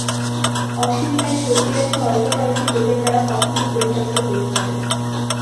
অসীমপ্রায় শক্তিরাশি অল্প কয়েকটি লোকের দ্বারা কখনই পরিচালিত হইতে পারে না।